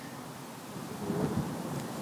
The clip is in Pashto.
دوی د بومیانو حقوق ساتي.